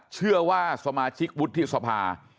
เชื่อว่าสมาชิกวุฒิสภา